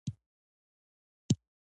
وخندله